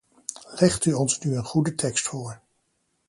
Legt u ons nu een goede tekst voor.